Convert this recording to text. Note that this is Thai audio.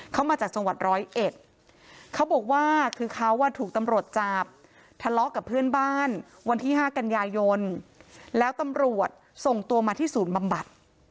เขามาจากจังหวัดร้อยเอ็ดเขาบอกว่าคือเขาถูกตำรวจจับทะเลาะกับเพื่อนบ้านวันที่๕กันยายนแล้วตำรวจส่งตัวมาที่ศูนย์บำบัด